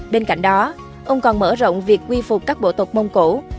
bên cạnh đó ông còn mở rộng việc quy phục các bộ tộc mông cổ